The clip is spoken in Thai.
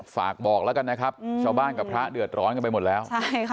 ฝากบอกแล้วกันนะครับชาวบ้านกับพระเดือดร้อนกันไปหมดแล้ว